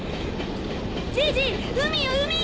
ジジ海よ海！